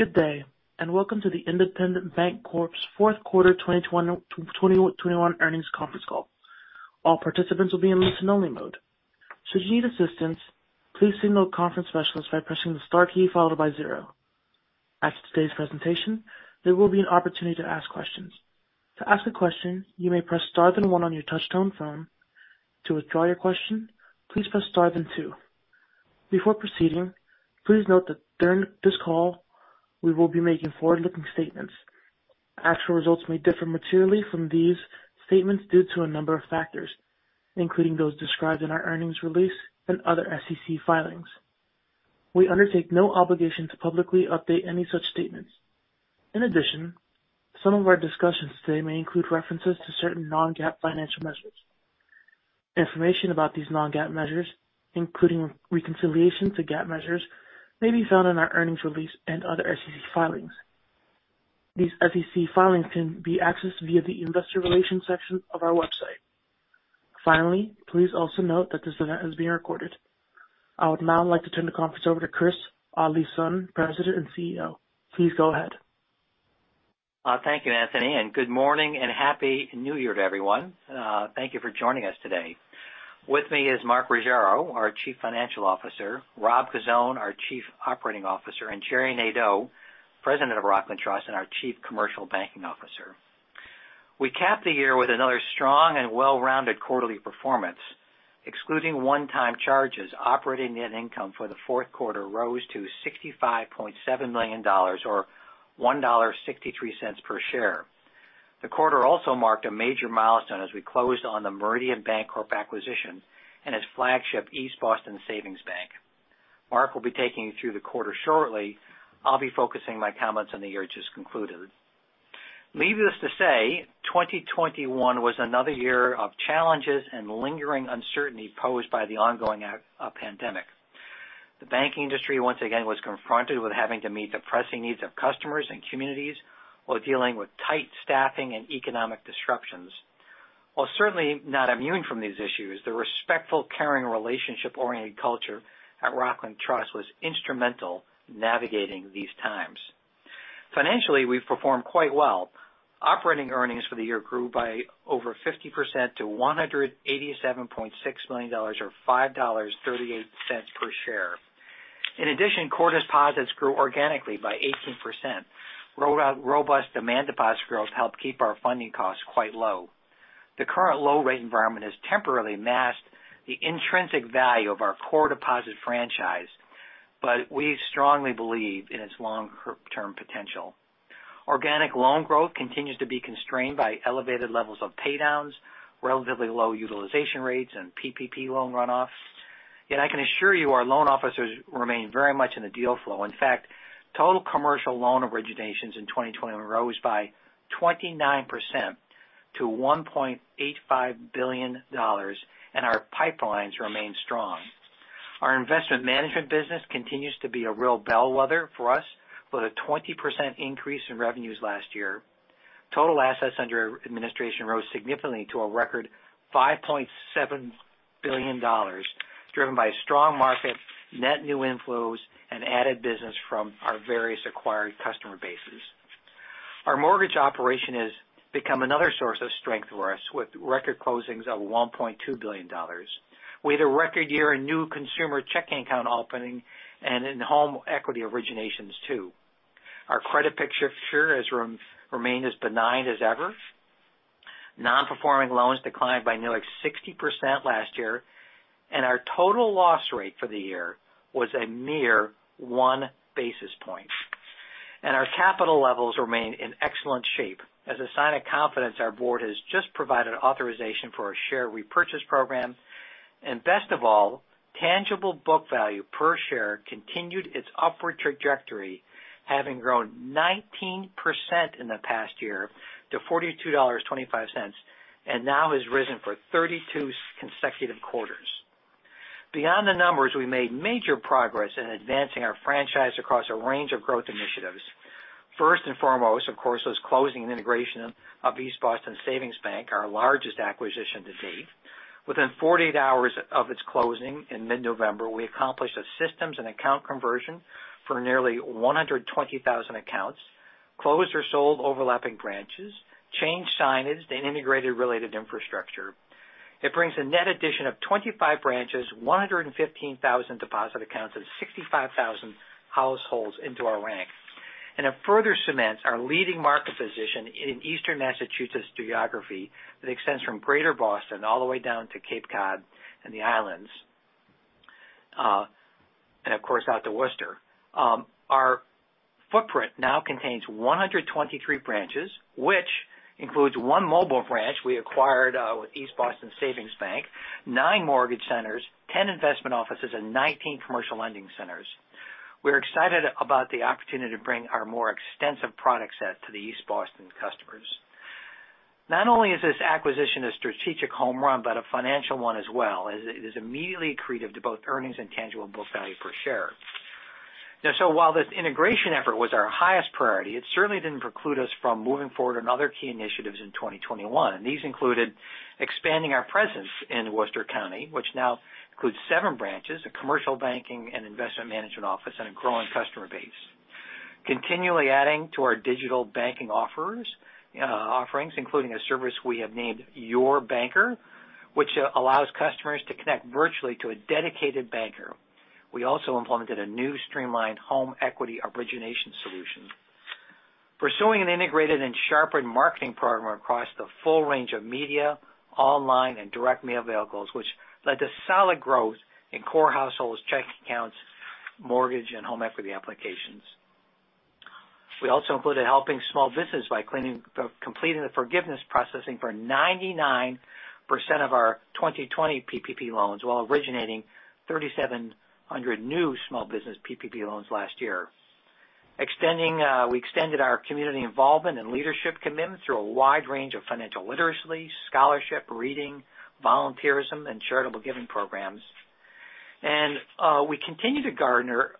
Good day, and welcome to the Independent Bank Corp.'s fourth quarter 2021 earnings conference call. All participants will be in listen-only mode. Should you need assistance, please signal a conference specialist by pressing the star key followed by zero. After today's presentation, there will be an opportunity to ask questions. To ask a question, you may press star then one on your touchtone phone. To withdraw your question, please press star then two. Before proceeding, please note that during this call we will be making forward-looking statements. Actual results may differ materially from these statements due to a number of factors, including those described in our earnings release and other SEC filings. We undertake no obligation to publicly update any such statements. In addition, some of our discussions today may include references to certain non-GAAP financial measures. Information about these non-GAAP measures, including reconciliation to GAAP measures, may be found in our earnings release and other SEC filings. These SEC filings can be accessed via the investor relations section of our website. Finally, please also note that this event is being recorded. I would now like to turn the conference over to Chris Oddleifson, President and CEO. Please go ahead. Thank you, Anthony, and good morning and happy new year to everyone. Thank you for joining us today. With me is Mark Ruggiero, our Chief Financial Officer, Rob Cozzone, our Chief Operating Officer, and Gerard Nadeau, President of Rockland Trust and our Chief Commercial Banking Officer. We capped the year with another strong and well-rounded quarterly performance. Excluding one-time charges, operating net income for the fourth quarter rose to $65.7 million or $1.63 per share. The quarter also marked a major milestone as we closed on the Meridian Bancorp acquisition and its flagship, East Boston Savings Bank. Mark will be taking you through the quarter shortly. I'll be focusing my comments on the year just concluded. Needless to say, 2021 was another year of challenges and lingering uncertainty posed by the ongoing pandemic. The banking industry, once again, was confronted with having to meet the pressing needs of customers and communities while dealing with tight staffing and economic disruptions. While certainly not immune from these issues, the respectful, caring, relationship-oriented culture at Rockland Trust was instrumental in navigating these times. Financially, we've performed quite well. Operating earnings for the year grew by over 50% to $187.6 million or $5.38 per share. In addition, core deposits grew organically by 18%. Robust demand deposit growth helped keep our funding costs quite low. The current low-rate environment has temporarily masked the intrinsic value of our core deposit franchise, but we strongly believe in its long-term potential. Organic loan growth continues to be constrained by elevated levels of paydowns, relatively low utilization rates, and PPP loan runoffs. Yet I can assure you our loan officers remain very much in the deal flow. In fact, total commercial loan originations in 2021 rose by 29% to $1.85 billion, and our pipelines remain strong. Our investment management business continues to be a real bellwether for us with a 20% increase in revenues last year. Total assets under administration rose significantly to a record $5.7 billion, driven by strong market, net new inflows, and added business from our various acquired customer bases. Our mortgage operation has become another source of strength for us with record closings of $1.2 billion. We had a record year in new consumer checking account opening and in home equity originations too. Our credit picture has remained as benign as ever. Non-performing loans declined by nearly 60% last year, and our total loss rate for the year was a mere 1 basis point. Our capital levels remain in excellent shape. As a sign of confidence, our board has just provided authorization for a share repurchase program. Best of all, tangible book value per share continued its upward trajectory, having grown 19% in the past year to $42.25, and now has risen for 32 consecutive quarters. Beyond the numbers, we made major progress in advancing our franchise across a range of growth initiatives. First and foremost, of course, was closing and integration of East Boston Savings Bank, our largest acquisition to date. Within 48 hours of its closing in mid-November, we accomplished a systems and account conversion for nearly 120,000 accounts, closed or sold overlapping branches, changed signage and integrated related infrastructure. It brings a net addition of 25 branches, 115,000 deposit accounts, and 65,000 households into our ranks. It further cements our leading market position in Eastern Massachusetts geography that extends from Greater Boston all the way down to Cape Cod and the islands, and of course, out to Worcester. Our footprint now contains 123 branches, which includes one mobile branch we acquired with East Boston Savings Bank, nine mortgage centers, ten investment offices, and nineteen commercial lending centers. We're excited about the opportunity to bring our more extensive product set to the East Boston customers. Not only is this acquisition a strategic home run, but a financial one as well, as it is immediately accretive to both earnings and tangible book value per share. Now while this integration effort was our highest priority, it certainly didn't preclude us from moving forward on other key initiatives in 2021. These included expanding our presence in Worcester County, which now includes seven branches, a commercial banking and investment management office, and a growing customer base. Continually adding to our digital banking offerings, including a service we have named Your Banker, which allows customers to connect virtually to a dedicated banker. We also implemented a new streamlined home equity origination solution. Pursuing an integrated and sharpened marketing program across the full range of media, online, and direct mail vehicles, which led to solid growth in core households' checking accounts, mortgage, and home equity applications. We also included helping small business by completing the forgiveness processing for 99% of our 2020 PPP loans while originating 3,700 new small business PPP loans last year. We extended our community involvement and leadership commitment through a wide range of financial literacy, scholarship, reading, volunteerism, and charitable giving programs. We continue to garner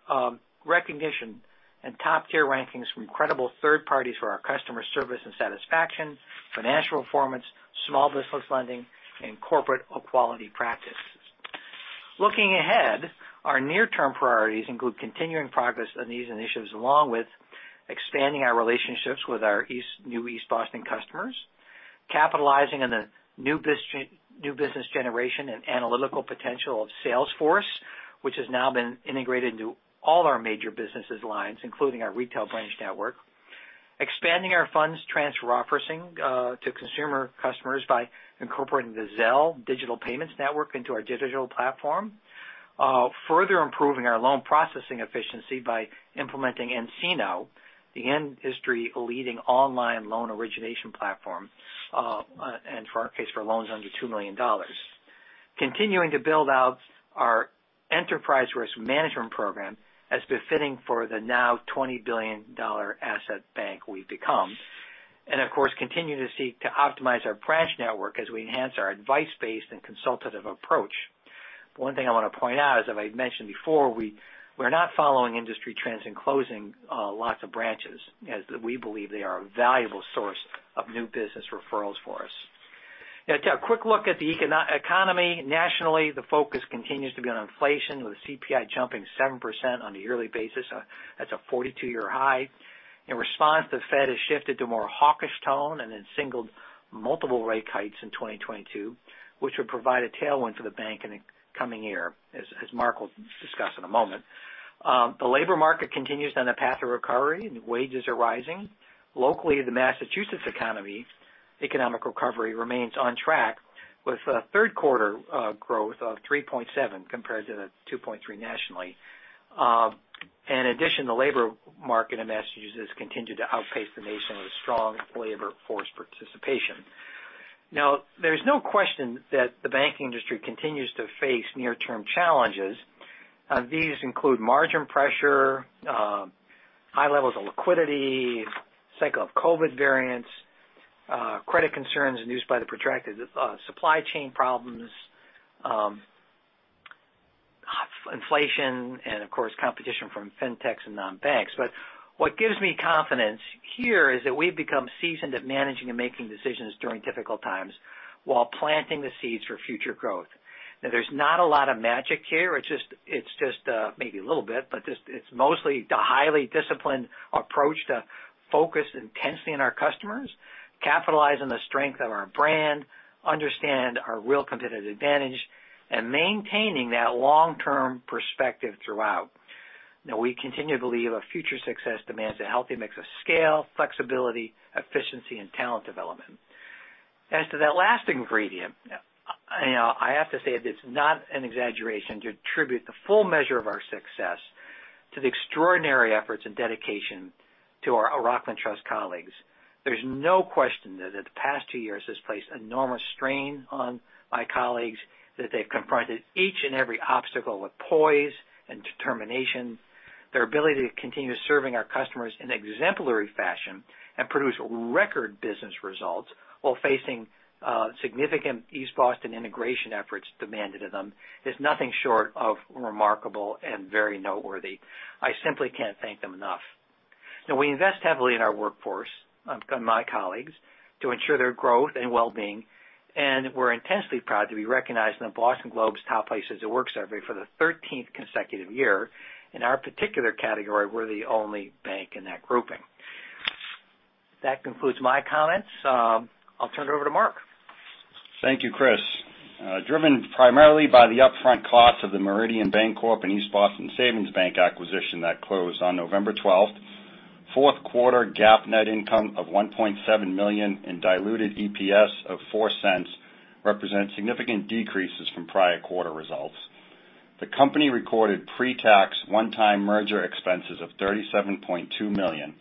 recognition and top tier rankings from credible third parties for our customer service and satisfaction, financial performance, small business lending, and corporate equality practice. Looking ahead, our near-term priorities include continuing progress on these initiatives, along with expanding our relationships with our new East Boston customers. Capitalizing on the new business generation and analytical potential of Salesforce, which has now been integrated into all our major business lines, including our retail branch network. Expanding our funds transfer offering to consumer customers by incorporating the Zelle digital payments network into our digital platform. Further improving our loan processing efficiency by implementing nCino, the industry-leading online loan origination platform, and for our case, for loans under $2 million. Continuing to build out our enterprise risk management program as befitting for the now $20 billion asset bank we've become. Of course, continue to seek to optimize our branch network as we enhance our advice-based and consultative approach. One thing I wanna point out, as I've mentioned before, we're not following industry trends and closing lots of branches, as we believe they are a valuable source of new business referrals for us. Now to a quick look at the economy. Nationally, the focus continues to be on inflation, with CPI jumping 7% on a yearly basis. That's a 42-year high. In response, the Fed has shifted to a more hawkish tone and then signaled multiple rate hikes in 2022, which would provide a tailwind for the bank in the coming year, as Mark will discuss in a moment. The labor market continues on the path of recovery, and wages are rising. Locally, the Massachusetts economic recovery remains on track with third quarter growth of 3.7%, compared to the 2.3% nationally. In addition, the labor market in Massachusetts continued to outpace the nation with strong labor force participation. There's no question that the banking industry continues to face near-term challenges. These include margin pressure, high levels of liquidity, cycle of COVID variants, credit concerns induced by the protracted supply chain problems, inflation and of course, competition from fintechs and non-banks. What gives me confidence here is that we've become seasoned at managing and making decisions during difficult times while planting the seeds for future growth. Now, there's not a lot of magic here. It's just, maybe a little bit, but just it's mostly the highly disciplined approach to focus intensely on our customers, capitalize on the strength of our brand, understand our real competitive advantage, and maintaining that long-term perspective throughout. Now, we continue to believe our future success demands a healthy mix of scale, flexibility, efficiency, and talent development. As to that last ingredient, you know, I have to say that it's not an exaggeration to attribute the full measure of our success to the extraordinary efforts and dedication to our Rockland Trust colleagues. There's no question that the past two years has placed enormous strain on my colleagues, that they've confronted each and every obstacle with poise and determination. Their ability to continue serving our customers in exemplary fashion and produce record business results while facing significant East Boston integration efforts demanded of them is nothing short of remarkable and very noteworthy. I simply can't thank them enough. Now we invest heavily in our workforce, my colleagues, to ensure their growth and well-being, and we're intensely proud to be recognized in The Boston Globe's Top Places to Work survey for the thirteenth consecutive year. In our particular category, we're the only bank in that grouping. That concludes my comments. I'll turn it over to Mark. Thank you, Chris. Driven primarily by the upfront costs of the Meridian Bancorp and East Boston Savings Bank acquisition that closed on November twelfth, fourth quarter GAAP net income of $1.7 million and diluted EPS of $0.04 represent significant decreases from prior quarter results. The company recorded pre-tax one-time merger expenses of $37.2 million,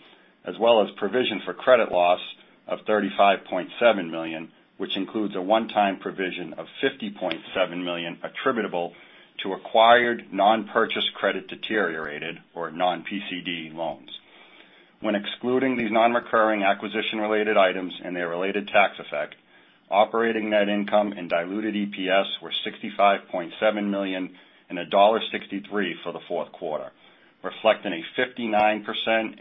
as well as provision for credit loss of $35.7 million, which includes a one-time provision of $50.7 million attributable to acquired non-purchase credit deteriorated or non-PCD loans. When excluding these non-recurring acquisition-related items and their related tax effect, operating net income and diluted EPS were $65.7 million and $1.63 for the fourth quarter, reflecting a 59%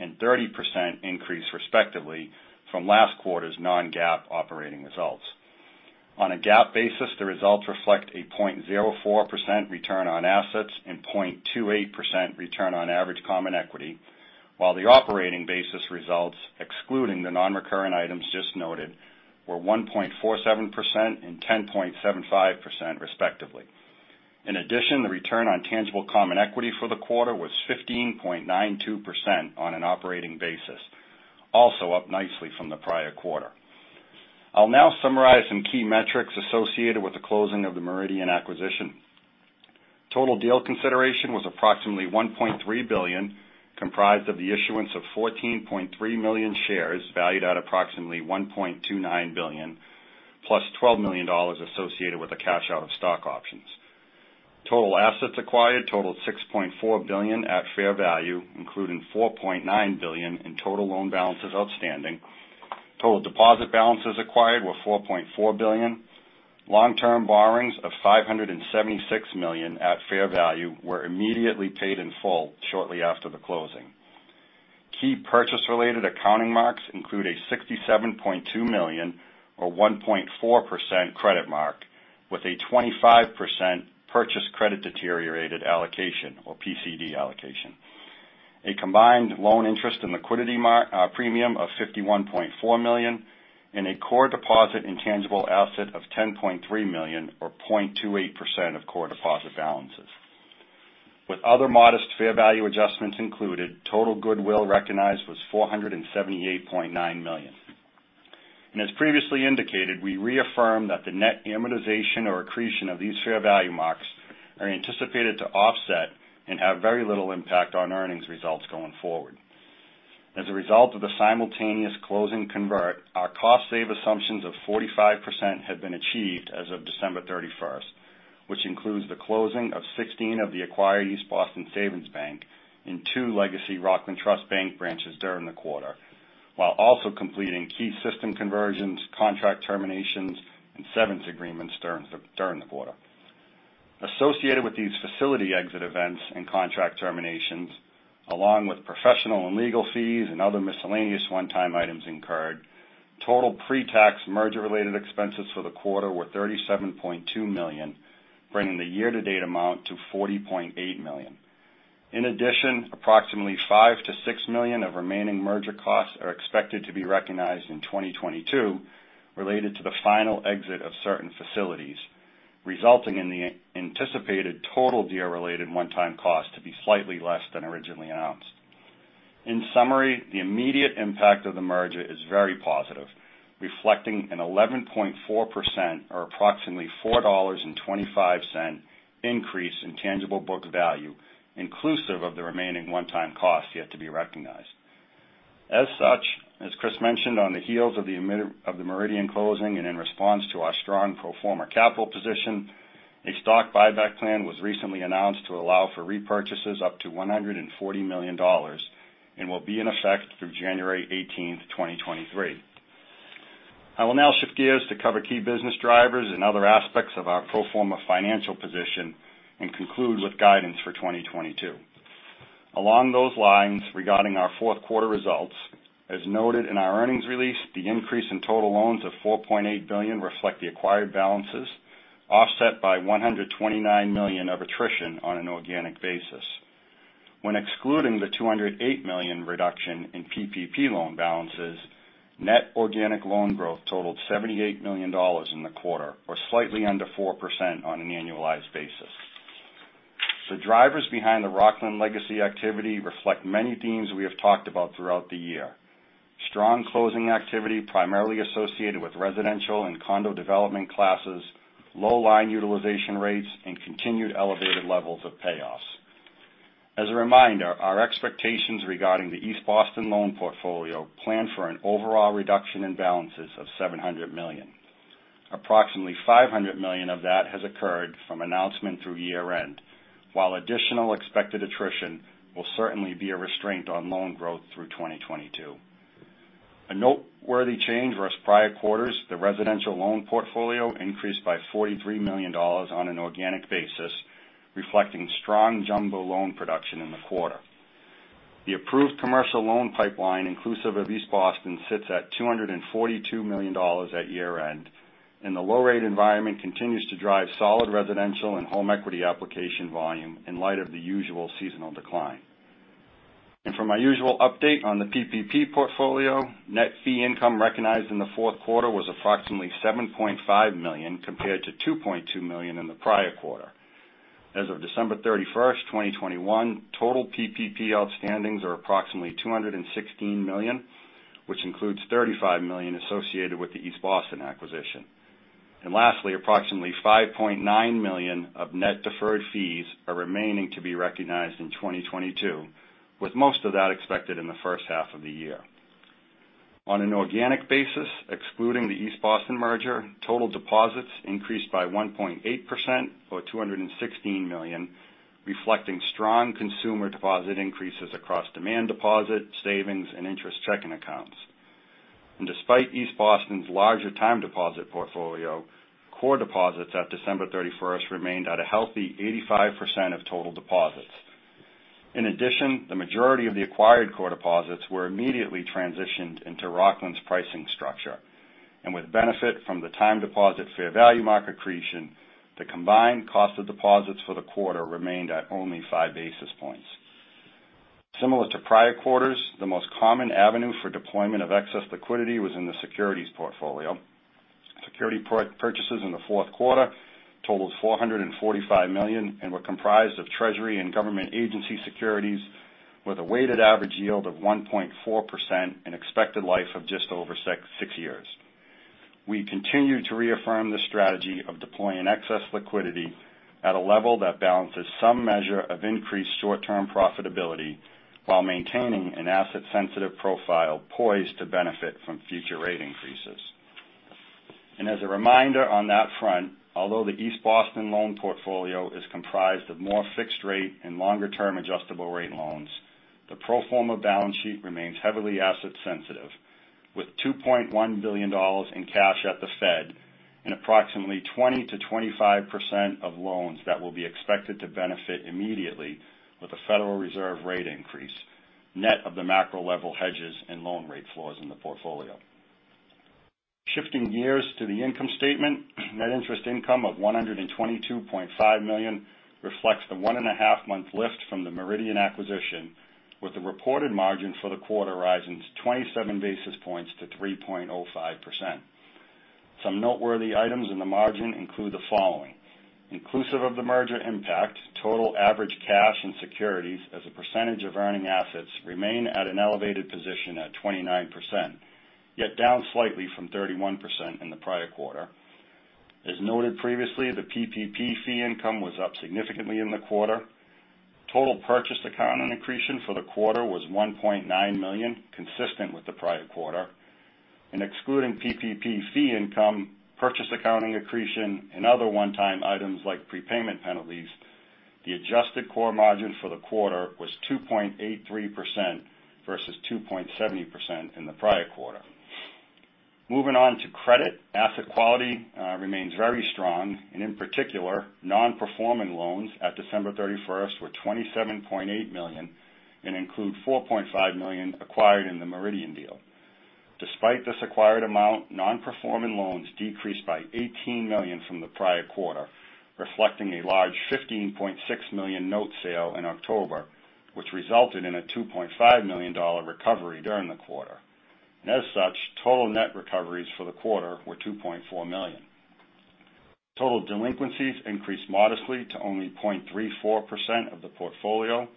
and 30% increase, respectively, from last quarter's non-GAAP operating results. On a GAAP basis, the results reflect a 0.04% return on assets and 0.28% return on average common equity, while the operating basis results, excluding the non-recurring items just noted, were 1.47% and 10.75% respectively. In addition, the return on tangible common equity for the quarter was 15.92% on an operating basis, also up nicely from the prior quarter. I'll now summarize some key metrics associated with the closing of the Meridian acquisition. Total deal consideration was approximately $1.3 billion, comprised of the issuance of 14.3 million shares valued at approximately $1.29 billion, plus $12 million associated with the cash out of stock options. Total assets acquired totaled $6.4 billion at fair value, including $4.9 billion in total loan balances outstanding. Total deposit balances acquired were $4.4 billion. Long-term borrowings of $576 million at fair value were immediately paid in full shortly after the closing. Key purchase-related accounting marks include a $67.2 million or 1.4% credit mark with a 25% purchase credit deteriorated allocation or PCD allocation. A combined loan interest and liquidity premium of $51.4 million, and a core deposit intangible asset of $10.3 million or 0.28% of core deposit balances. With other modest fair value adjustments included, total goodwill recognized was $478.9 million. As previously indicated, we reaffirm that the net amortization or accretion of these fair value marks are anticipated to offset and have very little impact on earnings results going forward. As a result of the simultaneous closing conversion, our cost savings assumptions of 45% have been achieved as of December 31, which includes the closing of 16 of the acquired East Boston Savings Bank and two legacy Rockland Trust Bank branches during the quarter, while also completing key system conversions, contract terminations, and severance agreements during the quarter. Associated with these facility exit events and contract terminations, along with professional and legal fees and other miscellaneous one-time items incurred, total pre-tax merger-related expenses for the quarter were $37.2 million, bringing the year-to-date amount to $40.8 million. In addition, approximately $5 million-$6 million of remaining merger costs are expected to be recognized in 2022 related to the final exit of certain facilities, resulting in the anticipated total deal-related one-time cost to be slightly less than originally announced. In summary, the immediate impact of the merger is very positive, reflecting an 11.4% or approximately $4.25 increase in tangible book value, inclusive of the remaining one-time cost yet to be recognized. As such, as Chris mentioned, on the heels of the Meridian closing and in response to our strong pro forma capital position, a stock buyback plan was recently announced to allow for repurchases up to $140 million and will be in effect through January 18, 2023. I will now shift gears to cover key business drivers and other aspects of our pro forma financial position and conclude with guidance for 2022. Along those lines, regarding our fourth quarter results, as noted in our earnings release, the increase in total loans of $4.8 billion reflect the acquired balances, offset by $129 million of attrition on an organic basis. When excluding the $208 million reduction in PPP loan balances, net organic loan growth totaled $78 million in the quarter or slightly under 4% on an annualized basis. The drivers behind the Rockland legacy activity reflect many themes we have talked about throughout the year. Strong closing activity, primarily associated with residential and condo development classes, low line utilization rates, and continued elevated levels of payoffs. As a reminder, our expectations regarding the East Boston loan portfolio plan for an overall reduction in balances of $700 million. Approximately $500 million of that has occurred from announcement through year-end, while additional expected attrition will certainly be a restraint on loan growth through 2022. A noteworthy change versus prior quarters, the residential loan portfolio increased by $43 million on an organic basis, reflecting strong jumbo loan production in the quarter. The approved commercial loan pipeline, inclusive of East Boston, sits at $242 million at year-end, and the low rate environment continues to drive solid residential and home equity application volume in light of the usual seasonal decline. For my usual update on the PPP portfolio, net fee income recognized in the fourth quarter was approximately $7.5 million compared to $2.2 million in the prior quarter. As of December 31, 2021, total PPP outstandings are approximately $216 million, which includes $35 million associated with the East Boston acquisition. Lastly, approximately $5.9 million of net deferred fees are remaining to be recognized in 2022, with most of that expected in the first half of the year. On an organic basis, excluding the East Boston merger, total deposits increased by 1.8% or $216 million, reflecting strong consumer deposit increases across demand deposit, savings, and interest checking accounts. Despite East Boston's larger time deposit portfolio, core deposits at December 31 remained at a healthy 85% of total deposits. In addition, the majority of the acquired core deposits were immediately transitioned into Rockland's pricing structure. With benefit from the time deposit fair value market accretion, the combined cost of deposits for the quarter remained at only 5 basis points. Similar to prior quarters, the most common avenue for deployment of excess liquidity was in the securities portfolio. Securities purchases in the fourth quarter totaled $445 million and were comprised of treasury and government agency securities with a weighted average yield of 1.4% and expected life of just over 6 years. We continue to reaffirm the strategy of deploying excess liquidity at a level that balances some measure of increased short-term profitability while maintaining an asset-sensitive profile poised to benefit from future rate increases. As a reminder on that front, although the East Boston loan portfolio is comprised of more fixed rate and longer-term adjustable rate loans, the pro forma balance sheet remains heavily asset sensitive with $2.1 billion in cash at the Fed and approximately 20%-25% of loans that will be expected to benefit immediately with a Federal Reserve rate increase, net of the macro level hedges and loan rate floors in the portfolio. Shifting gears to the income statement, net interest income of $122.5 million reflects the 1.5-month lift from the Meridian acquisition with the reported margin for the quarter rising 27 basis points to 3.05%. Some noteworthy items in the margin include the following. Inclusive of the merger impact, total average cash and securities as a percentage of earning assets remain at an elevated position at 29%, yet down slightly from 31% in the prior quarter. As noted previously, the PPP fee income was up significantly in the quarter. Total purchase accounting accretion for the quarter was $1.9 million, consistent with the prior quarter. Excluding PPP fee income, purchase accounting accretion and other one-time items like prepayment penalties, the adjusted core margin for the quarter was 2.83% versus 2.70% in the prior quarter. Moving on to credit. Asset quality remains very strong. In particular, non-performing loans at December 31 were $27.8 million and include $4.5 million acquired in the Meridian deal. Despite this acquired amount, non-performing loans decreased by $18 million from the prior quarter, reflecting a large $15.6 million note sale in October, which resulted in a $2.5 million recovery during the quarter. As such, total net recoveries for the quarter were $2.4 million. Total delinquencies increased modestly to only 0.34% of the portfolio.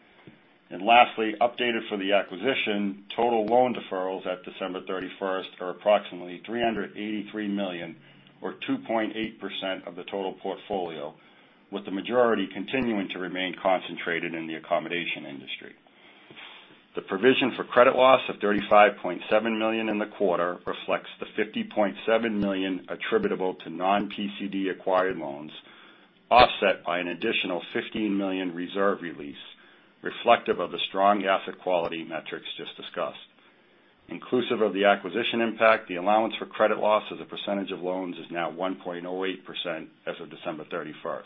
Lastly, updated for the acquisition, total loan deferrals at December 31 are approximately $383 million or 2.8% of the total portfolio, with the majority continuing to remain concentrated in the accommodation industry. The provision for credit loss of $35.7 million in the quarter reflects the $50.7 million attributable to non-PCD acquired loans, offset by an additional $15 million reserve release reflective of the strong asset quality metrics just discussed. Inclusive of the acquisition impact, the allowance for credit loss as a percentage of loans is now 1.08% as of December 31.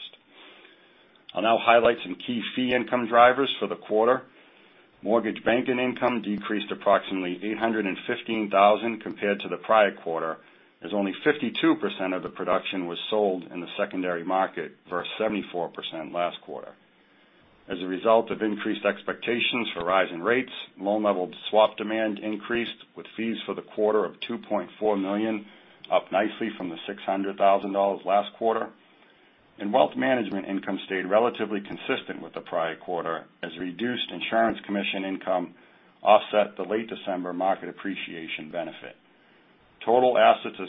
I'll now highlight some key fee income drivers for the quarter. Mortgage banking income decreased approximately $815,000 compared to the prior quarter, as only 52% of the production was sold in the secondary market versus 74% last quarter. As a result of increased expectations for rising rates, loan level swap demand increased with fees for the quarter of $2.4 million, up nicely from the $600,000 last quarter. Wealth management income stayed relatively consistent with the prior quarter as reduced insurance commission income offset the late December market appreciation benefit. Total assets, as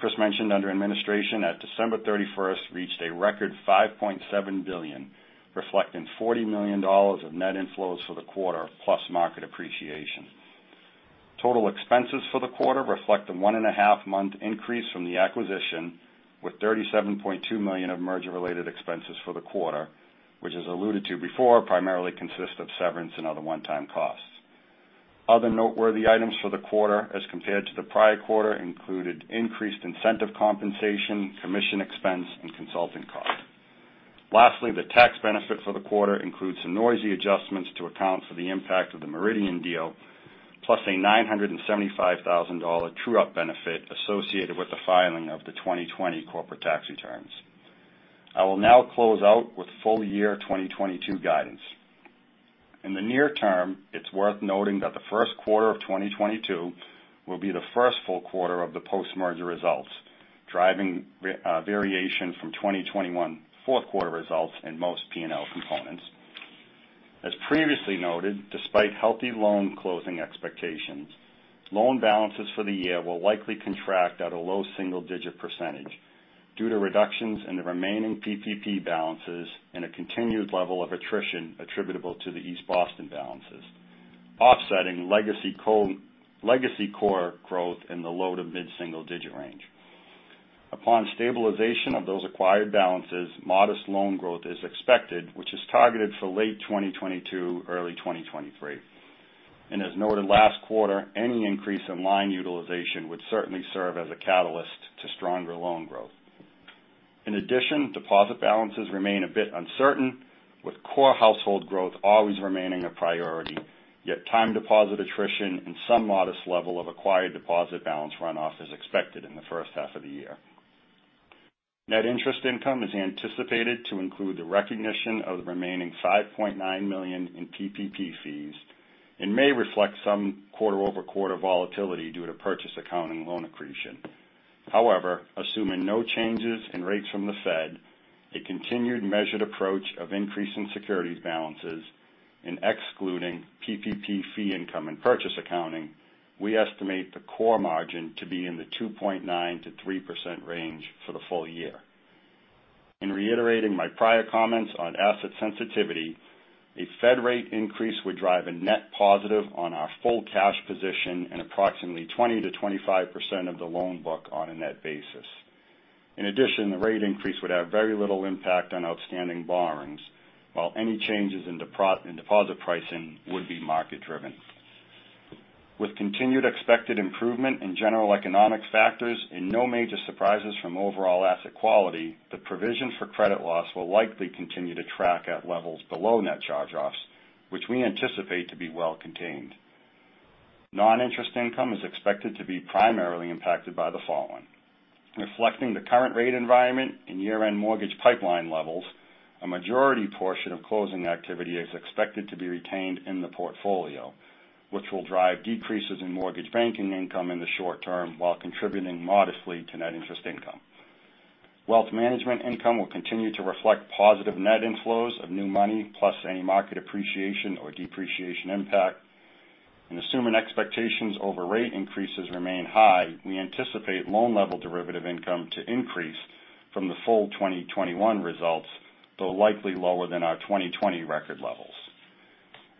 Chris mentioned, under administration at December 31 reached a record $5.7 billion, reflecting $40 million of net inflows for the quarter plus market appreciation. Total expenses for the quarter reflect the 1.5-month increase from the acquisition with $37.2 million of merger-related expenses for the quarter, which as alluded to before, primarily consist of severance and other one-time costs. Other noteworthy items for the quarter as compared to the prior quarter included increased incentive compensation, commission expense, and consulting costs. Lastly, the tax benefit for the quarter includes some noisy adjustments to account for the impact of the Meridian deal, plus a $975,000 true-up benefit associated with the filing of the 2020 corporate tax returns. I will now close out with full-year 2022 guidance. In the near term, it's worth noting that the first quarter of 2022 will be the first full quarter of the post-merger results, driving variation from 2021 fourth quarter results in most P&L components. As previously noted, despite healthy loan closing expectations, loan balances for the year will likely contract at a low single-digit % due to reductions in the remaining PPP balances and a continued level of attrition attributable to the East Boston balances, offsetting legacy core growth in the low to mid-single digit range. Upon stabilization of those acquired balances, modest loan growth is expected, which is targeted for late 2022, early 2023. As noted last quarter, any increase in line utilization would certainly serve as a catalyst to stronger loan growth. In addition, deposit balances remain a bit uncertain, with core household growth always remaining a priority. Time deposit attrition and some modest level of acquired deposit balance runoff is expected in the first half of the year. Net interest income is anticipated to include the recognition of the remaining $5.9 million in PPP fees and may reflect some quarter-over-quarter volatility due to purchase accounting loan accretion. However, assuming no changes in rates from the Fed, a continued measured approach of increasing securities balances and excluding PPP fee income and purchase accounting, we estimate the core margin to be in the 2.9%-3% range for the full year. In reiterating my prior comments on asset sensitivity, a Fed rate increase would drive a net positive on our full cash position and approximately 20%-25% of the loan book on a net basis. In addition, the rate increase would have very little impact on outstanding borrowings, while any changes in deposit pricing would be market driven. With continued expected improvement in general economic factors and no major surprises from overall asset quality, the provision for credit loss will likely continue to track at levels below net charge-offs, which we anticipate to be well contained. Noninterest income is expected to be primarily impacted by the following. Reflecting the current rate environment and year-end mortgage pipeline levels, a majority portion of closing activity is expected to be retained in the portfolio, which will drive decreases in mortgage banking income in the short term while contributing modestly to net interest income. Wealth management income will continue to reflect positive net inflows of new money plus any market appreciation or depreciation impact. Assuming expectations over rate increases remain high, we anticipate loan level derivative income to increase from the full 2021 results, though likely lower than our 2020 record levels.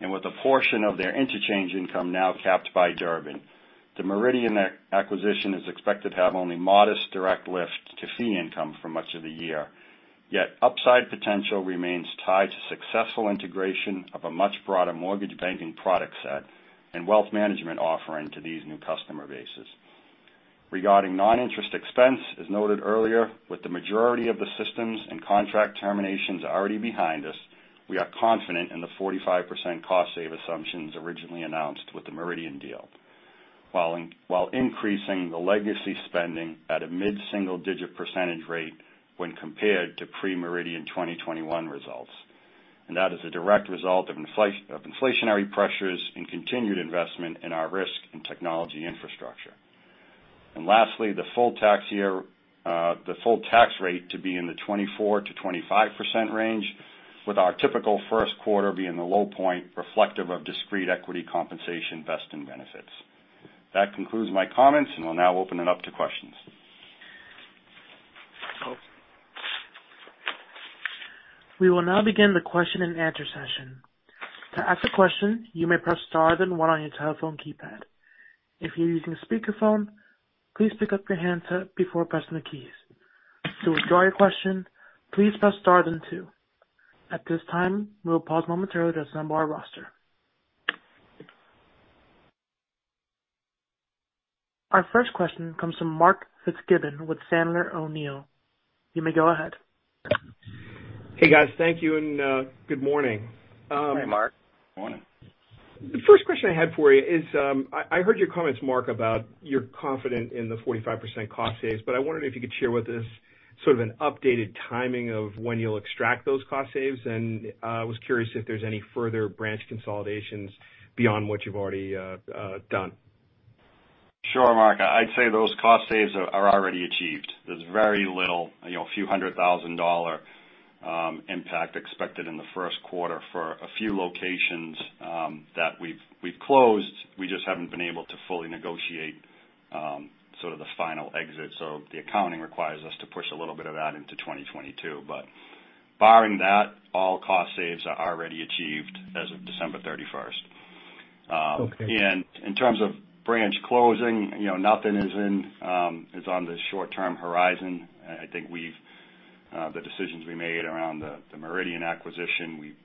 With a portion of their interchange income now capped by Durbin, the Meridian acquisition is expected to have only modest direct lift to fee income for much of the year. Yet upside potential remains tied to successful integration of a much broader mortgage banking product set and wealth management offering to these new customer bases. Regarding non-interest expense, as noted earlier, with the majority of the systems and contract terminations already behind us, we are confident in the 45% cost savings assumptions originally announced with the Meridian deal. While increasing the legacy spending at a mid-single digit percentage rate when compared to pre-Meridian 2021 results. That is a direct result of inflationary pressures and continued investment in our risk and technology infrastructure. Lastly, the full tax year, the full tax rate to be in the 24%-25% range, with our typical first quarter being the low point reflective of discrete equity compensation vesting benefits. That concludes my comments, and we'll now open it up to questions. We will now begin the question and answer session. To ask a question, you may press star then one on your telephone keypad. If you're using a speakerphone, please pick up your handset before pressing the keys. To withdraw your question, please press star then two. At this time, we will pause momentarily to assemble our roster. Our first question comes from Mark Fitzgibbon with Piper Sandler. You may go ahead. Hey, guys. Thank you. Good morning. Hi, Mark. Morning. The first question I had for you is, I heard your comments, Mark, about you're confident in the 45% cost savings, but I wondered if you could share with us sort of an updated timing of when you'll extract those cost savings. I was curious if there's any further branch consolidations beyond what you've already done. Sure, Mark. I'd say those cost saves are already achieved. There's very little, you know, a few hundred thousand dollars impact expected in the first quarter for a few locations that we've closed. We just haven't been able to fully negotiate sort of the final exit. The accounting requires us to push a little bit of that into 2022. Barring that, all cost saves are already achieved as of December 31. Okay. In terms of branch closing, you know, nothing is on the short-term horizon. I think the decisions we made around the Meridian acquisition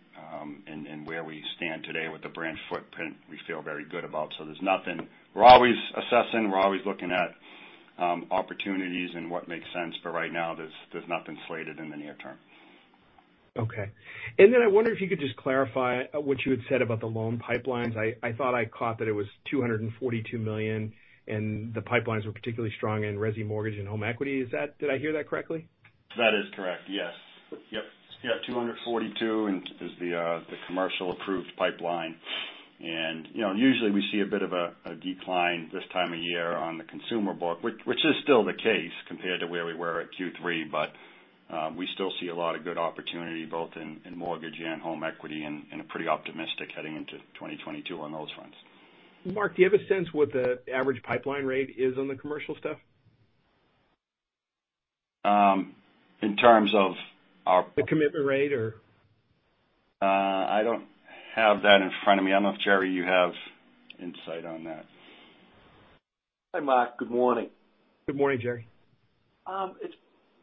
and where we stand today with the branch footprint, we feel very good about. There's nothing. We're always assessing, we're always looking at opportunities and what makes sense. Right now, there's nothing slated in the near term. Okay. I wonder if you could just clarify what you had said about the loan pipelines. I thought I caught that it was $242 million and the pipelines were particularly strong in resi mortgage and home equity. Is that? Did I hear that correctly? That is correct, yes. Yep. Yeah, 242 and is the the commercial approved pipeline. You know, usually we see a bit of a decline this time of year on the consumer book, which is still the case compared to where we were at Q3. We still see a lot of good opportunity both in mortgage and home equity and a pretty optimistic heading into 2022 on those fronts. Mark, do you have a sense what the average pipeline rate is on the commercial stuff? In terms of our The commitment rate or? I don't have that in front of me. I don't know if, Gerard, you have insight on that. Hi, Mark. Good morning. Good morning, Gerard.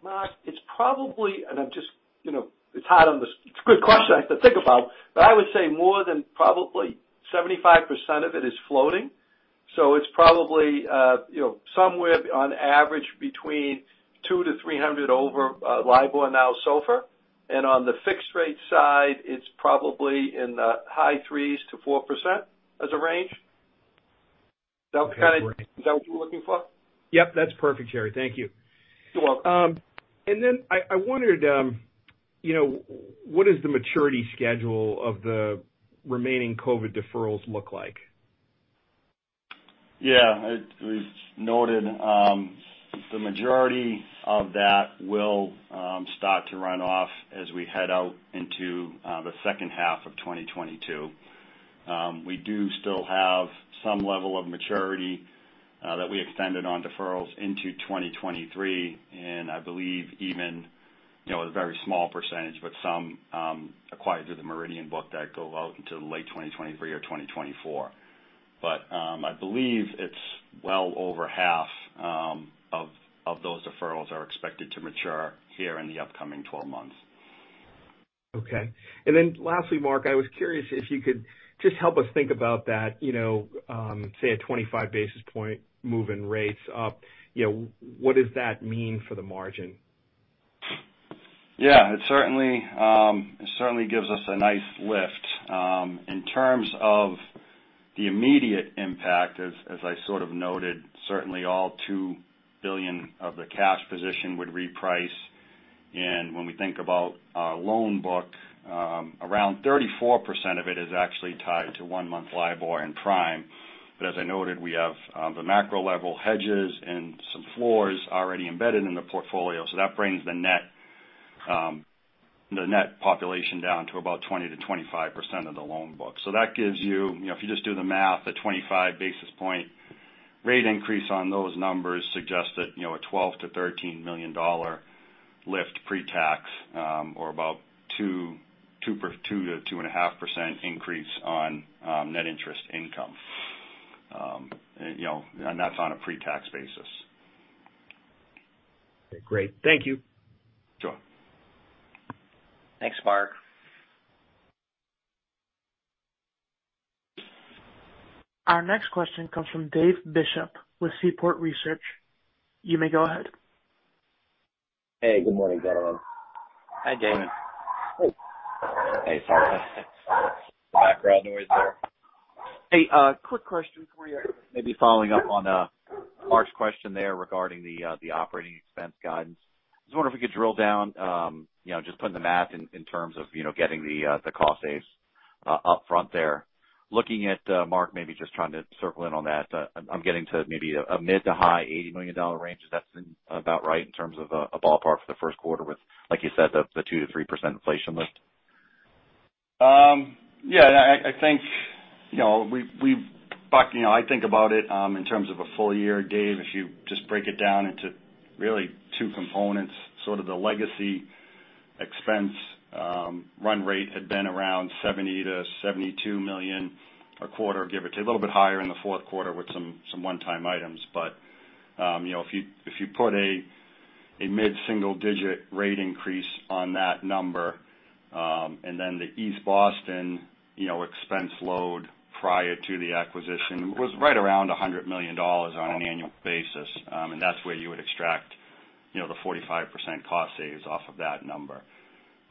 Mark, it's probably. It's a good question to think about, but I would say more than probably 75% of it is floating. It's probably somewhere on average between 200-300 over LIBOR and now SOFR. On the fixed rate side, it's probably in the high 3s-4% as a range. Does that kind of- Okay, great. Is that what you were looking for? Yep. That's perfect, Gerard. Thank you. You're welcome. I wondered, you know, what is the maturity schedule of the remaining COVID deferrals look like? Yeah, it was noted. The majority of that will start to run off as we head out into the second half of 2022. We do still have some level of maturity that we extended on deferrals into 2023, and I believe even, you know, a very small percentage, but some acquired through the Meridian book that go out into late 2023 or 2024. I believe it's well over half of those deferrals are expected to mature here in the upcoming 12 months. Okay. Lastly, Mark, I was curious if you could just help us think about that, say a 25 basis point move in rates up, what does that mean for the margin? Yeah, it certainly gives us a nice lift. In terms of the immediate impact, as I sort of noted, certainly all $2 billion of the cash position would reprice. When we think about our loan book, around 34% of it is actually tied to one-month LIBOR and Prime. As I noted, we have the macro level hedges and some floors already embedded in the portfolio. That brings the net population down to about 20%-25% of the loan book. That gives you know, if you just do the math, a 25 basis point rate increase on those numbers suggest that, you know, a $12 million-$13 million lift pre-tax, or about 2%-2.5% increase on net interest income. You know, and that's on a pre-tax basis. Okay, great. Thank you. Sure. Thanks, Mark. Our next question comes from Dave Bishop with Seaport Research. You may go ahead. Hey, good morning, gentlemen. Hi, Dave. Hey. Sorry about that. Background noise there. Hey, quick question for you. Maybe following up on Mark's question there regarding the operating expense guidance. I was wondering if we could drill down, you know, just putting the math in terms of, you know, getting the cost savings up front there. Looking at Mark, maybe just trying to circle in on that, I'm getting to maybe a mid- to high $80 million range. Is that about right in terms of a ballpark for the first quarter with, like you said, the 2%-3% inflation lift? Yeah, I think about it, you know, in terms of a full year, Dave. If you just break it down into really two components, sort of the legacy expense run rate had been around $70-$72 million a quarter, give or take. A little bit higher in the fourth quarter with some one-time items. You know, if you put a mid-single digit rate increase on that number, and then the East Boston expense load prior to the acquisition was right around $100 million on an annual basis. That's where you would extract, you know, the 45% cost saves off of that number.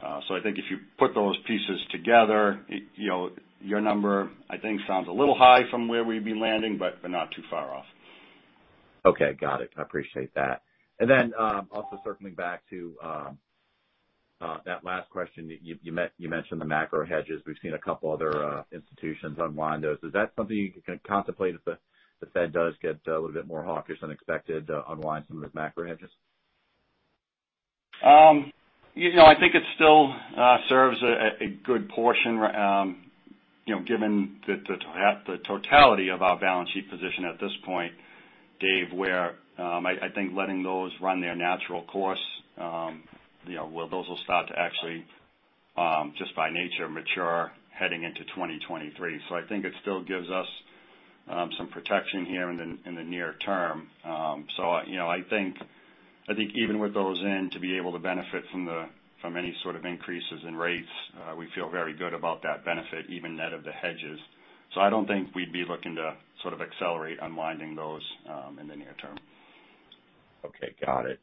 I think if you put those pieces together, you know, your number, I think, sounds a little high from where we'd be landing, but not too far off. Okay. Got it. I appreciate that. Also circling back to that last question. You mentioned the macro hedges. We've seen a couple other institutions unwind those. Is that something you can contemplate if the Fed does get a little bit more hawkish than expected, unwind some of those macro hedges? You know, I think it still serves a good portion, you know, given the totality of our balance sheet position at this point, Dave, where I think letting those run their natural course, you know, where those will start to actually just by nature mature heading into 2023. I think it still gives us some protection here in the near term. You know, I think even with those in, to be able to benefit from any sort of increases in rates, we feel very good about that benefit, even net of the hedges. I don't think we'd be looking to sort of accelerate unwinding those in the near term. Okay. Got it.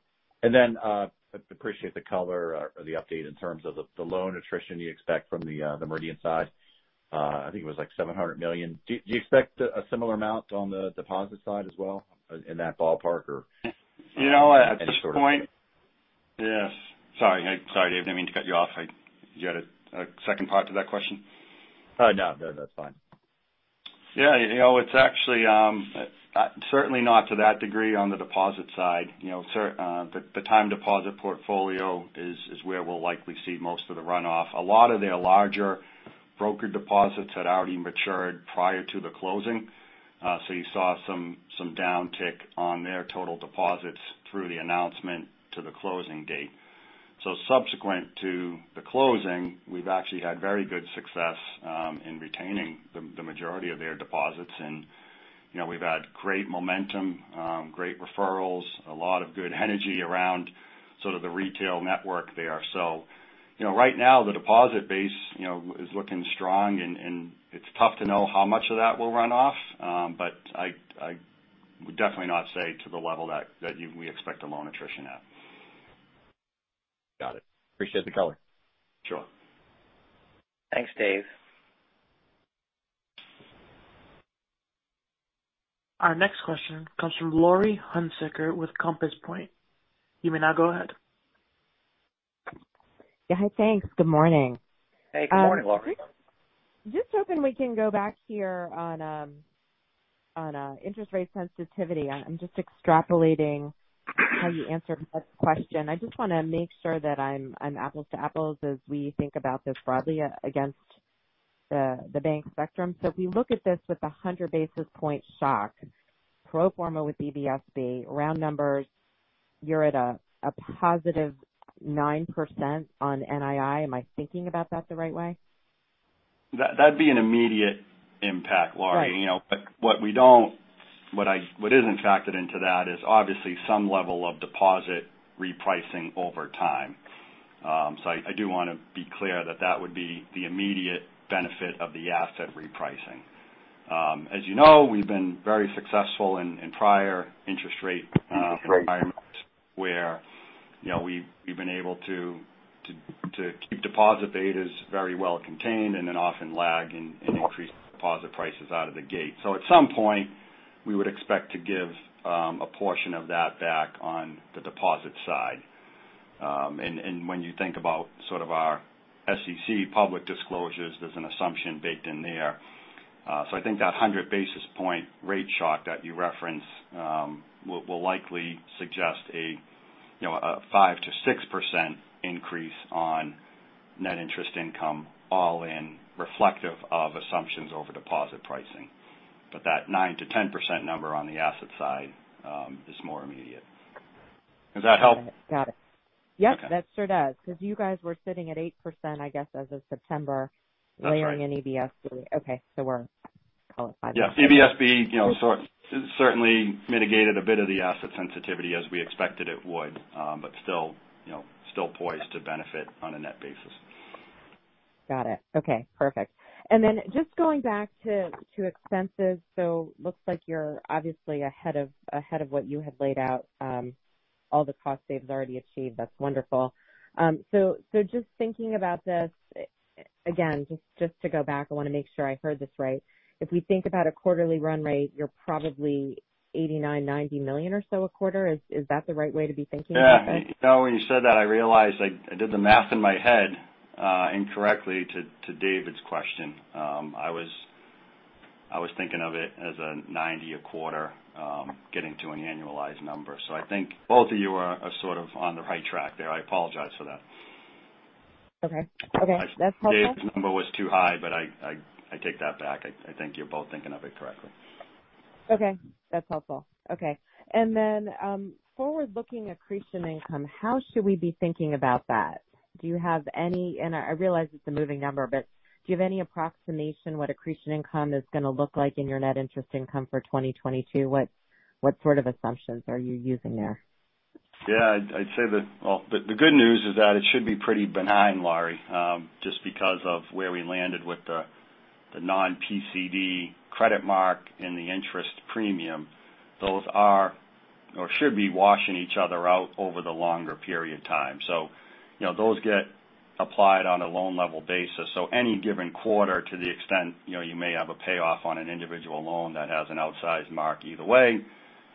Appreciate the color or the update in terms of the loan attrition you expect from the Meridian side. I think it was like $700 million. Do you expect a similar amount on the deposit side as well in that ballpark or? You know, at this point. Any sort of- Yes. Sorry, Dave, I didn't mean to cut you off. You had a second part to that question? No. No, that's fine. Yeah. You know, it's actually certainly not to that degree on the deposit side. You know, the time deposit portfolio is where we'll likely see most of the runoff. A lot of their larger broker deposits had already matured prior to the closing. You saw some downtick on their total deposits through the announcement to the closing date. Subsequent to the closing, we've actually had very good success in retaining the majority of their deposits. You know, we've had great momentum, great referrals, a lot of good energy around sort of the retail network there. You know, right now the deposit base is looking strong and it's tough to know how much of that will run off. I would definitely not say to the level that we expect a loan attrition at. Got it. Appreciate the color. Sure. Thanks, Dave. Our next question comes from Laurie Hunsicker with Compass Point. You may now go ahead. Yeah. Hi. Thanks. Good morning. Hey, good morning, Laurie. Just hoping we can go back here on interest rate sensitivity. I'm just extrapolating how you answer Mark's question. I just want to make sure that I'm apples to apples as we think about this broadly against the bank spectrum. If we look at this with a 100 basis point shock pro forma with EBSB, round numbers, you're at a positive 9% on NII. Am I thinking about that the right way? That'd be an immediate impact, Laurie. Right. You know, what isn't factored into that is obviously some level of deposit repricing over time. I do wanna be clear that that would be the immediate benefit of the asset repricing. As you know, we've been very successful in prior interest rate environments where, you know, we've been able to keep deposit betas very well contained and then often lag in increased deposit prices out of the gate. At some point, we would expect to give a portion of that back on the deposit side. When you think about sort of our SEC public disclosures, there's an assumption baked in there. I think that 100 basis point rate shock that you referenced will likely suggest, you know, a 5%-6% increase on net interest income all in reflective of assumptions over deposit pricing. That 9%-10% number on the asset side is more immediate. Does that help? Got it. Yep. Okay. That sure does. Because you guys were sitting at 8%, I guess, as of September. That's right. Layering in EBSB. Okay. We're qualified. Yeah. EBSB, you know, certainly mitigated a bit of the asset sensitivity as we expected it would, but still, you know, still poised to benefit on a net basis. Got it. Okay. Perfect. Just going back to expenses. Looks like you're obviously ahead of what you had laid out, all the cost saves already achieved. That's wonderful. Just thinking about this again, just to go back, I wanna make sure I heard this right. If we think about a quarterly run rate, you're probably $89 million-$90 million or so a quarter. Is that the right way to be thinking about that? Yeah. You know, when you said that, I realized I did the math in my head incorrectly to Dave's question. I was thinking of it as a 90 a quarter, getting to an annualized number. I think both of you are sort of on the right track there. I apologize for that. Okay. That's helpful. Dave's number was too high, but I take that back. I think you're both thinking of it correctly. Okay. That's helpful. Okay. Forward-looking accretion income, how should we be thinking about that? Do you have any approximation what accretion income is gonna look like in your net interest income for 2022? What sort of assumptions are you using there? Yeah. I'd say that, well, the good news is that it should be pretty benign, Laurie, just because of where we landed with the non-PCD credit mark and the interest premium. Those are or should be washing each other out over the longer period of time. You know, those get applied on a loan level basis. Any given quarter, to the extent, you know, you may have a payoff on an individual loan that has an outsized mark, either way,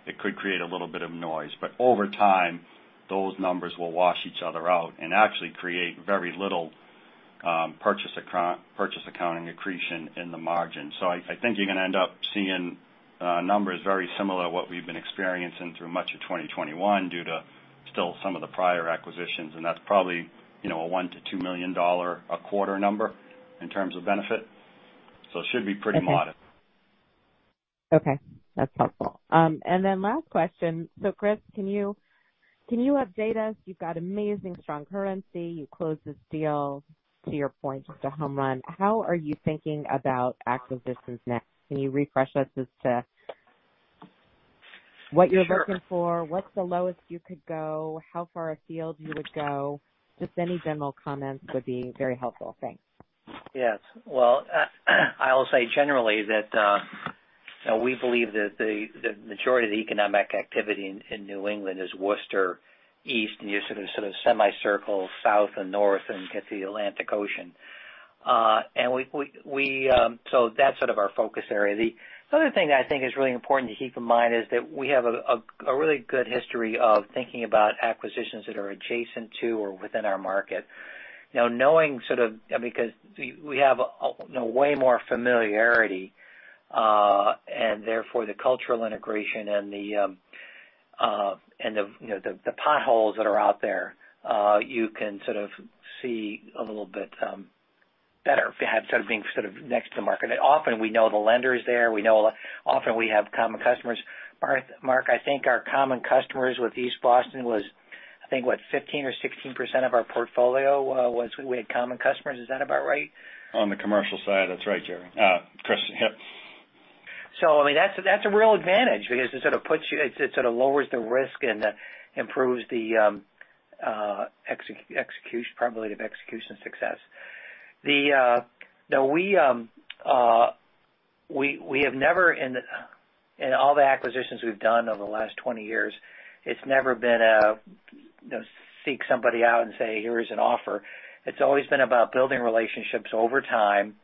it could create a little bit of noise. Over time, those numbers will wash each other out and actually create very little purchase accounting accretion in the margin. I think you're going to end up seeing numbers very similar to what we've been experiencing through much of 2021, due to still some of the prior acquisitions, and that's probably, you know, a $1 million-$2 million a quarter number in terms of benefit. It should be pretty modest. Okay. That's helpful. Last question. Chris, can you update us? You've got amazing strong currency. You closed this deal, to your point, it's a home run. How are you thinking about acquisitions next? Can you refresh us as to what you're looking for? Sure. What's the lowest you could go? How far afield you would go? Just any general comments would be very helpful. Thanks. Yes. Well, I'll say generally that we believe that the majority of the economic activity in New England is Worcester east, and you're sort of semicircle south and north and get the Atlantic Ocean. That's sort of our focus area. The other thing that I think is really important to keep in mind is that we have a really good history of thinking about acquisitions that are adjacent to or within our market. Now, knowing sort of because we have you know way more familiarity and therefore the cultural integration and the you know the potholes that are out there, you can sort of see a little bit better having sort of been sort of next to the market. Often we know the lenders there, we know a lot. Often we have common customers. Mark, I think our common customers with East Boston was, I think what, 15 or 16% of our portfolio, was we had common customers. Is that about right? On the commercial side. That's right, Gerard. Chris. Yep. I mean, that's a real advantage because it sort of lowers the risk and improves the execution probability of execution success. Now we have never in all the acquisitions we've done over the last 20 years, it's never been a, you know, seek somebody out and say, "Here is an offer." It's always been about building relationships over time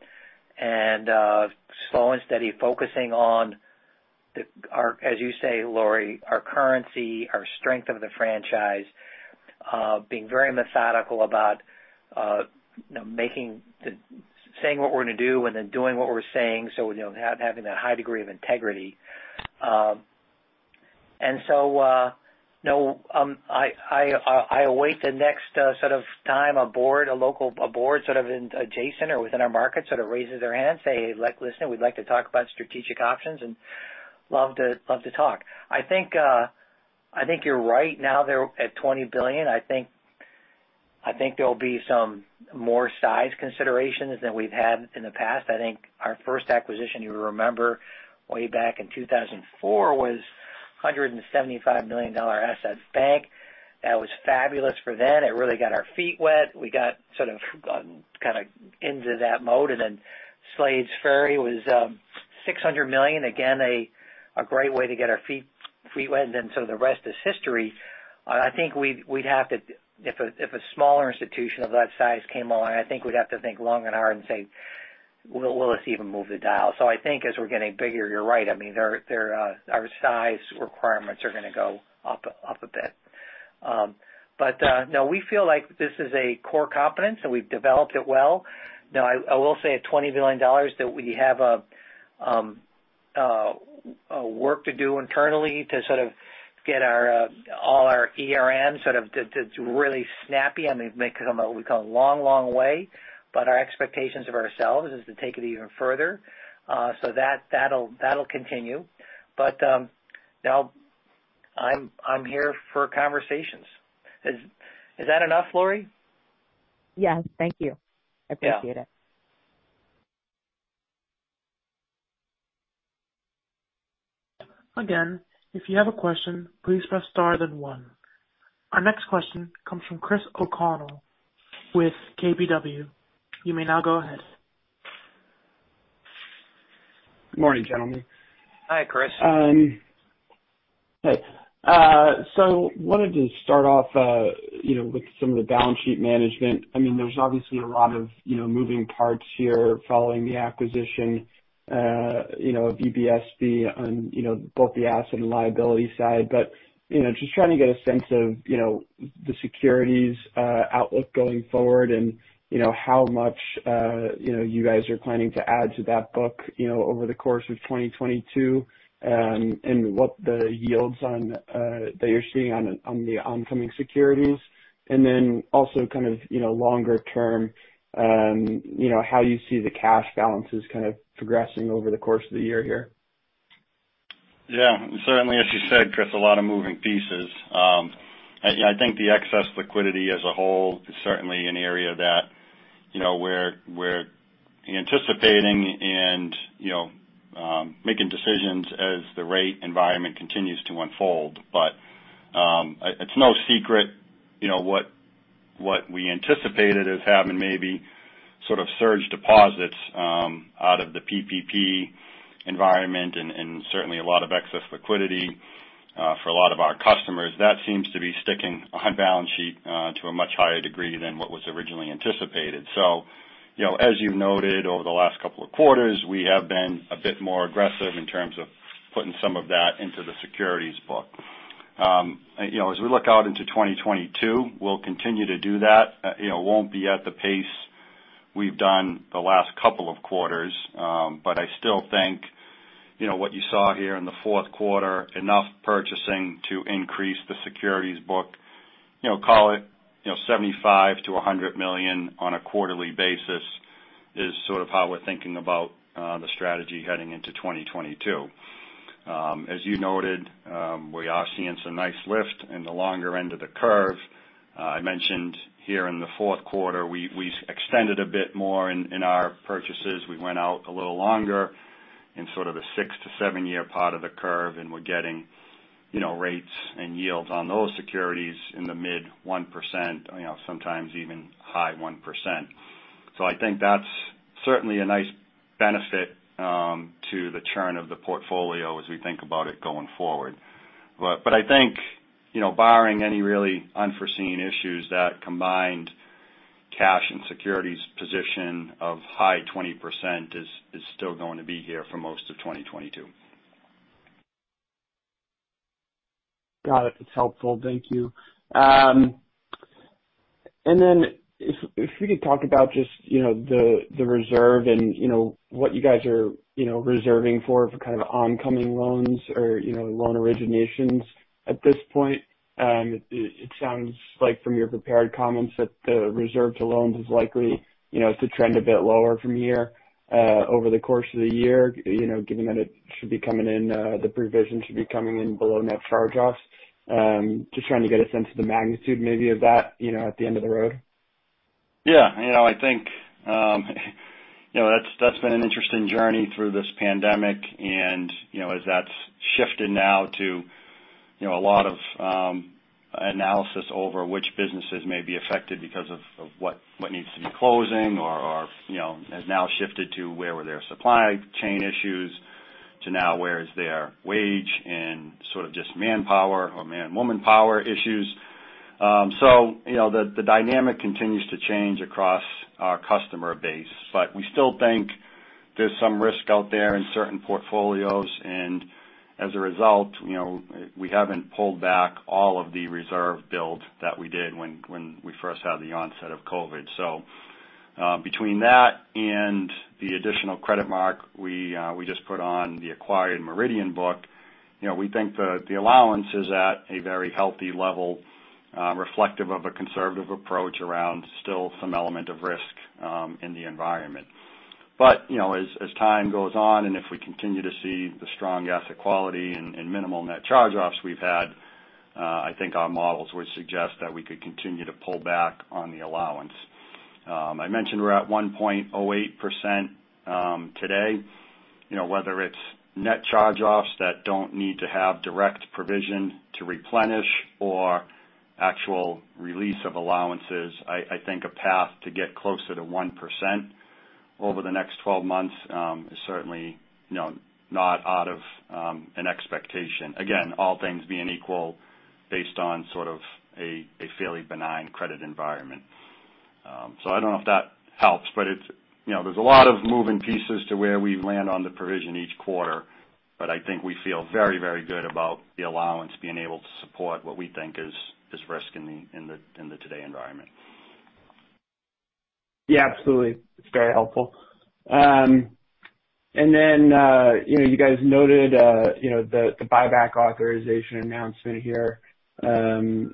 and slow and steady, focusing on our, as you say, Laurie, our currency, our strength of the franchise, being very methodical about, you know, saying what we're gonna do and then doing what we're saying. You know, having that high degree of integrity. No, I await the next sort of time a local board sort of adjacent or within our market sort of raises their hand, say, like, "Listen, we'd like to talk about strategic options," and love to talk. I think you're right. Now they're at $20 billion. I think there'll be some more size considerations than we've had in the past. I think our first acquisition, you'll remember way back in 2004 was $175 million dollar assets bank. That was fabulous for then. It really got our feet wet. We got sort of kind of into that mode. Slades Ferry was $600 million. Again, a great way to get our feet wet. The rest is history. I think we'd have to. If a smaller institution of that size came along, I think we'd have to think long and hard and say, "Will this even move the dial?" I think as we're getting bigger, you're right. I mean, they're gonna go up a bit. No, we feel like this is a core competence, and we've developed it well. Now, I will say at $20 billion that we have, work to do internally to sort of get all our ERM to really snappy. I mean, we've come a long way, but our expectations of ourselves is to take it even further. That'll continue. Now I'm here for conversations. Is that enough, Laurie? Yes. Thank you. Yeah. Appreciate it. Again, if you have a question, please press star then one. Our next question comes from Chris O'Connell with KBW. You may now go ahead. Good morning, gentlemen. Hi, Chris. Hey. Wanted to start off, you know, with some of the balance sheet management. I mean, there's obviously a lot of, you know, moving parts here following the acquisition, you know, of EBSB on, you know, both the asset and liability side. You know, just trying to get a sense of, you know, the securities outlook going forward and, you know, how much, you know, you guys are planning to add to that book, you know, over the course of 2022, and what the yields on, that you're seeing on the oncoming securities. Then also kind of, you know, longer term, you know, how you see the cash balances kind of progressing over the course of the year here. Yeah. Certainly as you said, Chris, a lot of moving pieces. I think the excess liquidity as a whole is certainly an area that, you know, we're anticipating and, you know, making decisions as the rate environment continues to unfold. It's no secret, you know, what we anticipated as having maybe sort of surge deposits out of the PPP environment and certainly a lot of excess liquidity for a lot of our customers. That seems to be sticking on balance sheet to a much higher degree than what was originally anticipated. You know, as you've noted over the last couple of quarters, we have been a bit more aggressive in terms of putting some of that into the securities book. You know, as we look out into 2022, we'll continue to do that. You know, it won't be at the pace we've done the last couple of quarters. I still think, you know, what you saw here in the fourth quarter, enough purchasing to increase the securities book, you know, call it, you know, $75 million-$100 million on a quarterly basis is sort of how we're thinking about the strategy heading into 2022. As you noted, we are seeing some nice lift in the longer end of the curve. I mentioned here in the fourth quarter, we extended a bit more in our purchases. We went out a little longer in sort of the six to seven-year part of the curve, and we're getting, you know, rates and yields on those securities in the mid-1%, you know, sometimes even high 1%. I think that's certainly a nice benefit to the churn of the portfolio as we think about it going forward. But I think, you know, barring any really unforeseen issues that combined cash and securities position of high 20% is still going to be here for most of 2022. Got it. That's helpful. Thank you. If we could talk about just, you know, the reserve and, you know, what you guys are, you know, reserving for kind of oncoming loans or, you know, loan originations at this point. It sounds like from your prepared comments that the reserve to loans is likely, you know, to trend a bit lower from here over the course of the year, you know, given that it should be coming in, the provision should be coming in below net charge-offs. Just trying to get a sense of the magnitude maybe of that, you know, at the end of the road. Yeah. You know, I think, you know, that's been an interesting journey through this pandemic and, you know, as that's shifted now to, you know, a lot of analysis over which businesses may be affected because of what needs to be closing or, you know, has now shifted to where were their supply chain issues to now where is their wage and sort of just manpower or man-woman power issues. So you know, the dynamic continues to change across our customer base, but we still think there's some risk out there in certain portfolios. As a result, you know, we haven't pulled back all of the reserve build that we did when we first had the onset of COVID. Between that and the additional credit mark we just put on the acquired Meridian book, you know, we think the allowance is at a very healthy level, reflective of a conservative approach around still some element of risk in the environment. You know, as time goes on and if we continue to see the strong asset quality and minimal net charge-offs we've had, I think our models would suggest that we could continue to pull back on the allowance. I mentioned we're at 1.08% today. You know, whether it's net charge-offs that don't need to have direct provision to replenish or actual release of allowances, I think a path to get closer to 1% over the next 12 months is certainly, you know, not out of an expectation. Again, all things being equal based on sort of a fairly benign credit environment. I don't know if that helps, but it's, you know, there's a lot of moving pieces to where we land on the provision each quarter, but I think we feel very, very good about the allowance being able to support what we think is risk in the today environment. Yeah, absolutely. It's very helpful. You know, you guys noted, you know, the buyback authorization announcement here, and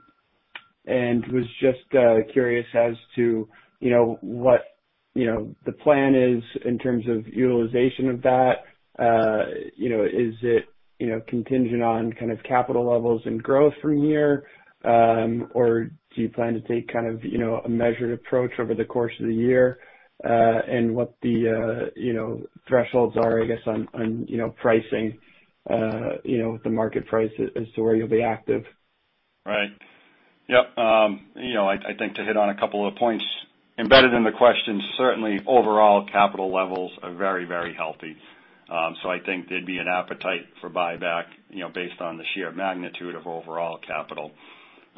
I was just curious as to, you know, what, you know, the plan is in terms of utilization of that. You know, is it, you know, contingent on kind of capital levels and growth from here? Do you plan to take kind of, you know, a measured approach over the course of the year, and what the, you know, thresholds are, I guess, on, you know, pricing, you know, the market price as to where you'll be active? Right. Yep. You know, I think to hit on a couple other points embedded in the question, certainly overall capital levels are very, very healthy. I think there'd be an appetite for buyback, you know, based on the sheer magnitude of overall capital.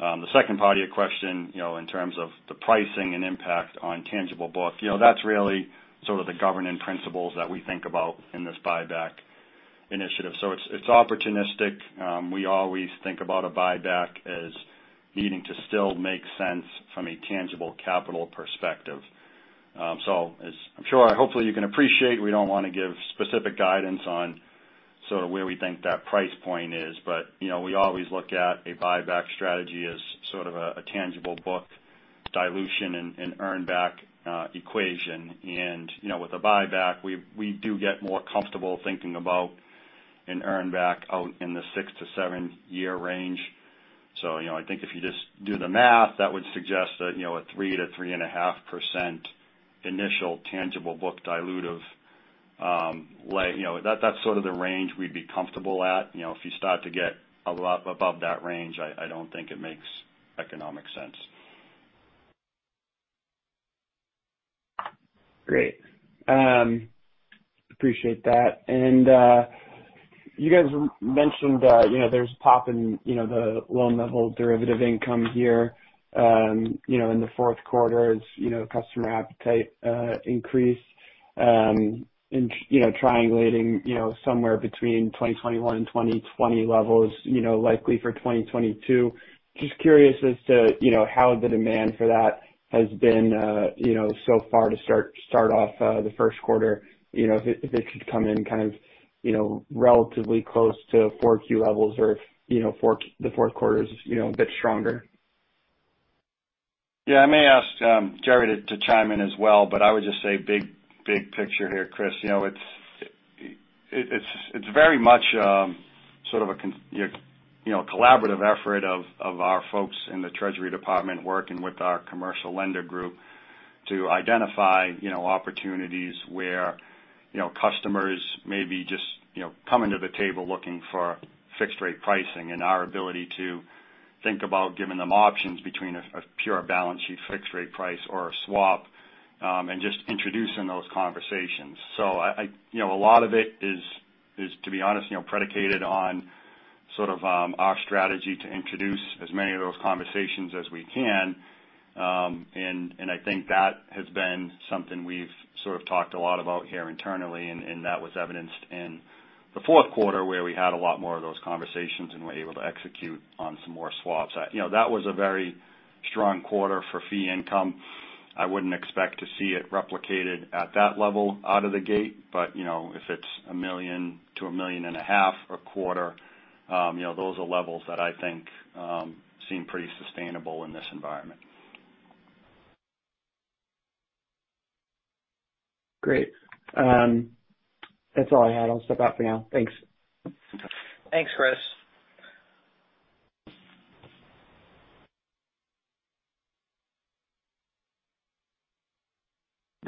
The second part of your question, you know, in terms of the pricing and impact on tangible book, you know, that's really sort of the governing principles that we think about in this buyback initiative. It's opportunistic. We always think about a buyback as needing to still make sense from a tangible capital perspective. As I'm sure hopefully you can appreciate, we don't want to give specific guidance on sort of where we think that price point is. You know, we always look at a buyback strategy as sort of a tangible book dilution and earn back equation. You know, with a buyback, we do get more comfortable thinking about an earn back out in the six to seven-year range. You know, I think if you just do the math, that would suggest that, you know, a 3%-3.5% initial tangible book dilutive. You know, that's sort of the range we'd be comfortable at. You know, if you start to get a lot above that range, I don't think it makes economic sense. Great. Appreciate that. You guys mentioned, you know, there's pop in, you know, the loan level derivative income here, you know, in the fourth quarter as, you know, customer appetite increase, you know, in, you know, triangulating, you know, somewhere between 2021 and 2020 levels, you know, likely for 2022. Just curious as to, you know, how the demand for that has been, you know, so far to start off, you know, the first quarter, you know, if it, if it should come in kind of, you know, relatively close to Q4 levels or if, you know, the fourth quarter is, you know, a bit stronger. Yeah, I may ask Gerry to chime in as well, but I would just say big picture here, Chris. You know, it's very much sort of a collaborative effort of our folks in the treasury department working with our commercial lender group to identify, you know, opportunities where, you know, customers may be just, you know, coming to the table looking for fixed rate pricing and our ability to think about giving them options between a pure balance sheet fixed rate price or a swap, and just introducing those conversations. You know, a lot of it is, to be honest, you know, predicated on sort of our strategy to introduce as many of those conversations as we can. I think that has been something we've sort of talked a lot about here internally, and that was evidenced in the fourth quarter where we had a lot more of those conversations and were able to execute on some more swaps. You know, that was a very strong quarter for fee income. I wouldn't expect to see it replicated at that level out of the gate, but you know, if it's $1 million-$1.5 million a quarter, you know, those are levels that I think seem pretty sustainable in this environment. Great. That's all I had. I'll step out for now. Thanks. Thanks, Chris.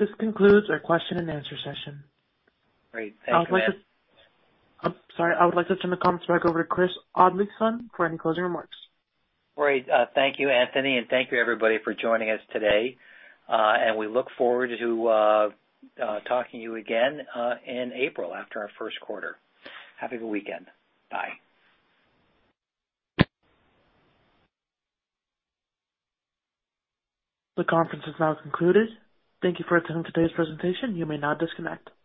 This concludes our question and answer session. Great. Thank you. I would like to turn the conversation back over to Chris Oddleifson for any closing remarks. Great. Thank you, Anthony, and thank you everybody for joining us today. We look forward to talking to you again in April after our first quarter. Have a good weekend. Bye. The conference is now concluded. Thank you for attending today's presentation. You may now disconnect.